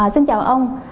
xin chào ông